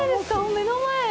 目の前。